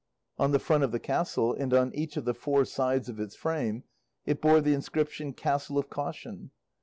On the front of the castle and on each of the four sides of its frame it bore the inscription "Castle of Caution."